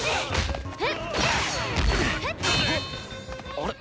あれ？